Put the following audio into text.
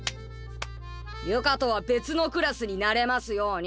由香とは別のクラスになれますように！